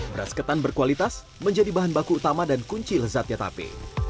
beras ketan berkualitas menjadi bahan baku utama dan kunci lezatnya tape